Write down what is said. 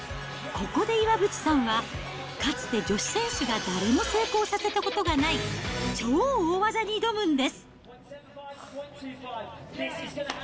ここで岩渕さんは、かつて女子選手が誰も成功させたことがない超大技に挑むんです。